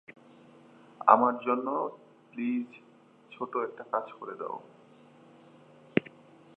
আমার জন্য প্লিজ ছোট একটা কাজ করে দাও।